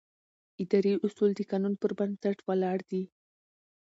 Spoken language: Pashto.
اداري اصول د قانون پر بنسټ ولاړ دي.